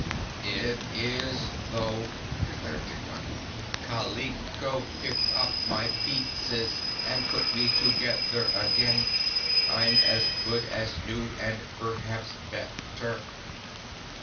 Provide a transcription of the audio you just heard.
"It is, though," declared Tiktok. "Kal i ko picked up my piec es and put me to geth er a gain. I'm as good as new, and perhaps bet ter."